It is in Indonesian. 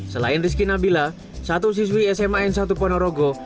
selain rizky nabila satu siswi sma n satu ponorogo